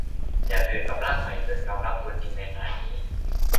อย่าตื่นกับร่างใหม่จนยอมรับตัวจริงขณะนี้